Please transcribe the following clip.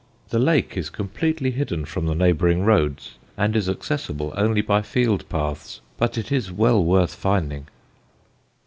The lake is completely hidden from the neighbouring roads and is accessible only by field paths, but it is well worth finding.